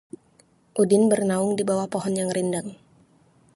Udin bernaung di bawah pohon yang rindang